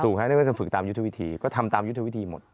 ถูกครับนี่ก็ฝึกตามยุทธวิธีก็ทำตามยุทธวิธีหมด